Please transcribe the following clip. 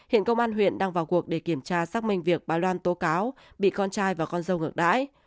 hiện công an huyện đang vào cuộc để kiểm tra xác minh việc bà loan tố cáo bị con trai và con dâu ngược đãi